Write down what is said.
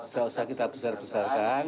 tidak usah kita besar besarkan